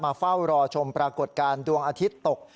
เฝ้ารอชมปรากฏการณ์ดวงอาทิตย์ตก